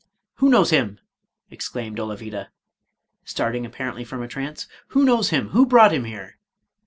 Who knows him?" exclaimed Olavida, starting appar ently from a trance ;" who knows him ? who brought him here?"